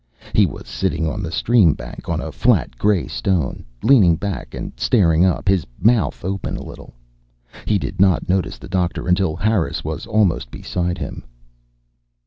He was sitting on the stream bank, on a flat grey stone, leaning back and staring up, his mouth open a little. He did not notice the Doctor until Harris was almost beside him.